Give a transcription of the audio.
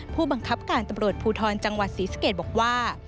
ผู้บังคับการตำรวจภูทรจังหวัดศรีสะเกดบอกว่า